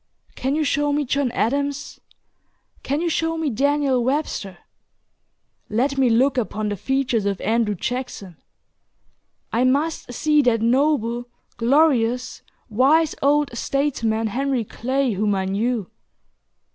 Can you show me John Adams? Can you show me Daniel Webster? Let me look upon the features of Andrew Jackson. I must see that noble, glorious, wise old statesman, Henry Clay, whom I knew.